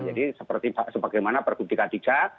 jadi seperti sebagaimana perbundikan tiga